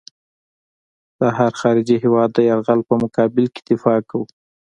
د هر خارجي هېواد د یرغل په مقابل کې دفاع کوو.